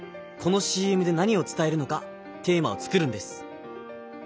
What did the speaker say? このＣＭで何をつたえるのかテーマを作るんです。